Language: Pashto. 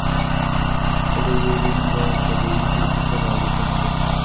طبيعي علوم د طبيعي پېښو سره اړيکه نلري؟